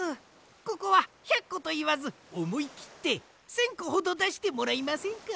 ここは１００こといわずおもいきって１，０００こほどだしてもらいませんか？